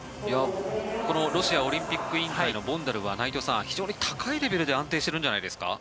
このロシアオリンピック委員会のボンダルは内藤さん、非常に高いレベルで安定してるんじゃないですか。